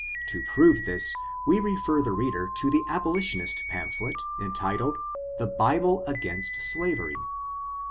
To prove this, we refer the reader to an abolitionist pam* phlet entitled " The Bible against Slavery^ No.